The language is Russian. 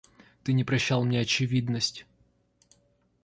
Ты не прощал мне очевидность.